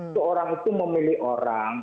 itu orang itu memilih orang